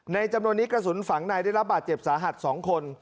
จำนวนนี้กระสุนฝังในได้รับบาดเจ็บสาหัส๒คน